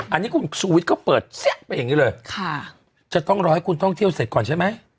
อันนี้คุณชูวิทย์ก็เปิดเสี้ยไปอย่างนี้เลยค่ะจะต้องรอให้คุณท่องเที่ยวเสร็จก่อนใช่ไหม